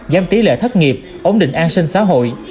giám tí lệ thất nghiệp ổn định an sinh xã hội